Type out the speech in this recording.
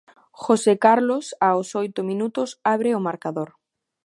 José Carlos aos oito minutos abre o marcador.